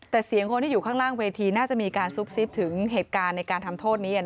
แต่เสียงคนที่อยู่ข้างล่างเวทีน่าจะมีการซุบซิบถึงเหตุการณ์ในการทำโทษนี้